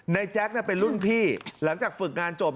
แจ๊คเป็นรุ่นพี่หลังจากฝึกงานจบ